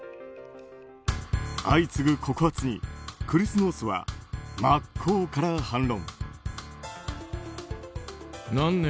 相次ぐ告発にクリス・ノースは真っ向から反論